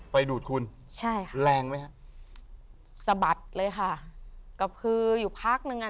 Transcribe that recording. ไฟดูดคุณใช่ค่ะแรงไหมฮะสะบัดเลยค่ะกระพืออยู่พักหนึ่งอ่ะ